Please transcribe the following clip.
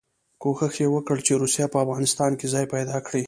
کوښښ یې وکړ چې روسیه په افغانستان کې ځای پیدا کړي.